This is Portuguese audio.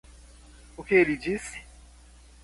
O que ele disse?